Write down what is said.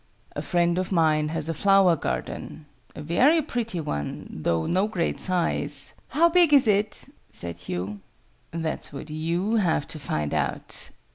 "A friend of mine has a flower garden a very pretty one, though no great size " "How big is it?" said Hugh. "That's what you have to find out!"